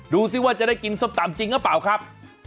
ซิว่าจะได้กินส้มตำจริงหรือเปล่าครับ